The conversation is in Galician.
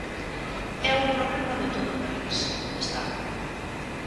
É un problema de todo o país, destaca.